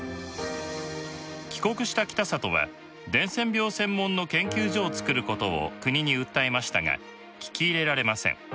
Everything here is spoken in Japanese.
帰国した北里は伝染病専門の研究所をつくることを国に訴えましたが聞き入れられません。